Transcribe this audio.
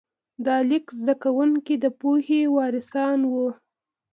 د لیک زده کوونکي د پوهې وارثان وو.